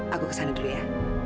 aku kesana dulu ya